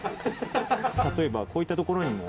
例えば、こういった所にも。